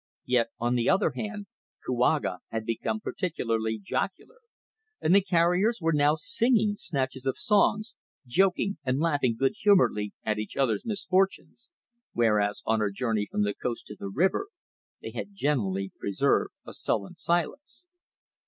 Yet, on the other hand, Kouaga had become particularly jocular, and the carriers were now singing snatches of songs, joking, and laughing good humouredly at each other's misfortunes, whereas on our journey from the coast to the river they had generally preserved a sullen silence.